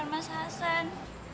terima kasih mas hasan